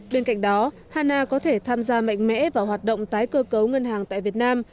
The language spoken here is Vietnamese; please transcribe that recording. bên cạnh đó hana có thể tham gia mạnh mẽ vào hoạt động tái cơ cấu ngân hàng tại việt nam